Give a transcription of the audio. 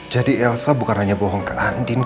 jadi elsa bukan hanya bohong ke andin